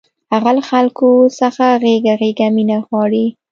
هغه له خلکو څخه غېږه غېږه مینه غواړي